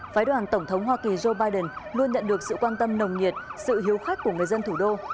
phái đoàn tổng thống hoa kỳ joe biden luôn nhận được sự quan tâm nồng nhiệt sự hiếu khách của người dân thủ đô